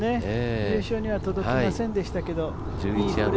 優勝には届きませんでしたけどいいプレーだったと思います。